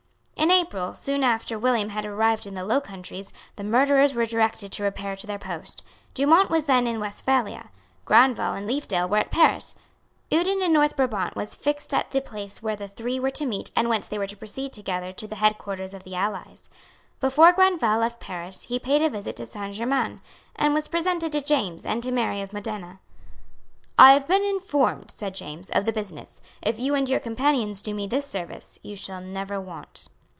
In April, soon after William had arrived in the Low Countries, the murderers were directed to repair to their post. Dumont was then in Westphalia. Grandval and Leefdale were at Paris. Uden in North Brabant was fixed as the place where the three were to meet and whence they were to proceed together to the headquarters of the allies. Before Grandval left Paris he paid a visit to Saint Germains, and was presented to James and to Mary of Modena. "I have been informed," said James, "of the business. If you and your companions do me this service, you shall never want."